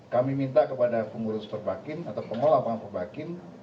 kami minta kepada pengelola lapangan tembak